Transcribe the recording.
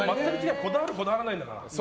こだわるとこだわらないから。